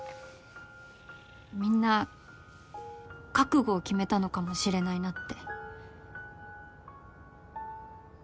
みんな覚悟を決めたのかもしれないなって。